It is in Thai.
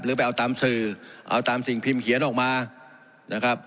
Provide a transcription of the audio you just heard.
ไปเอาตามสื่อเอาตามสิ่งพิมพ์เขียนออกมานะครับ